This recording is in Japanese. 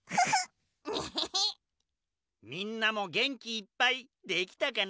みんなもげんきいっぱいできたかな？